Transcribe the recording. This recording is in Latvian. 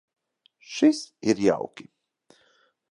Šis ir jauki.